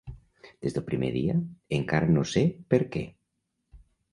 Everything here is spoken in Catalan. Des del primer dia, encara no sé perquè.